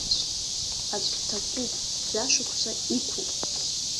Аӡә дҭакуп, жәашықәса иқәуп.